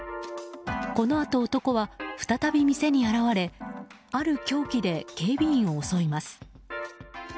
このあと男は再び店に現れある凶器で警備員を襲います。